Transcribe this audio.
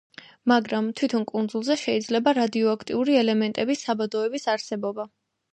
მაგრამ თვითონ კუნძულზე შეიძლება რადიოაქტიური ელემენტების საბადოების არსებობა.